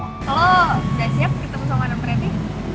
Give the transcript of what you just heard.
kalau gak siap kita besok madang preti